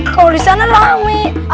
kalau di sana rame